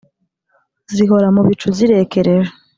zihora mu bicu zirekereje